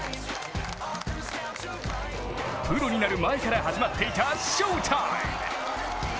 プロになる前から始まっていた翔タイム。